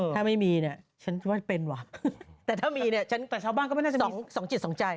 แต่ถ้ามีเนี่ยแต่ชาวบ้านก็ไม่น่าจะมี๒สิทธิ์๒ใจ